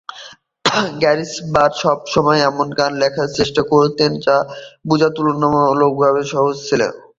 গ্যারিসবাখ সবসময় এমন গান লেখার চেষ্টা করতেন, যা বোঝা তুলনামূলকভাবে সহজ ছিল।